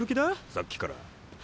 さっきから。